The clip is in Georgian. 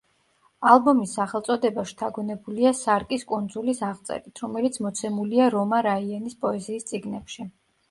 ალბომის სახელწოდება შთაგონებულია სარკის კუნძულის აღწერით, რომელიც მოცემულია რომა რაიანის პოეზიის წიგნებში.